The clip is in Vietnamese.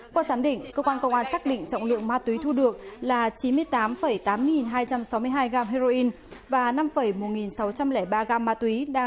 qua giám định cơ quan công an xác định trọng lượng ma túy thu được là chín mươi tám tám nghìn hai trăm sáu mươi hai gam heroin và năm một sáu trăm linh ba gam ma túy